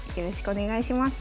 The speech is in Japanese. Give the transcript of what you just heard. お願いします。